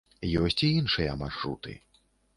Ёсць і іншыя маршруты.